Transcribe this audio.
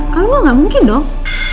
kalau mah gak mungkin dong